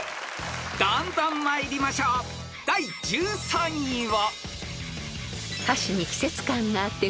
［どんどん参りましょう第１３位は］